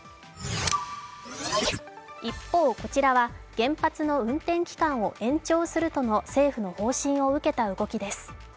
一方、こちらは原発の運転期間を延長するとの政府の方針を受けた動きです。